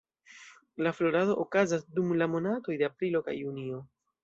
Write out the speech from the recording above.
La florado okazas dum la monatoj de aprilo kaj junio.